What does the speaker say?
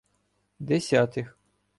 Десятих